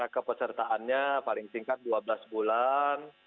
kepesertaannya paling singkat dua belas bulan